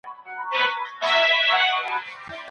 تاسو به بل چا ته اړ نه یاست.